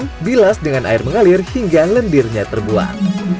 kesam bilas dengan air mengalir hingga lendirnya terbuat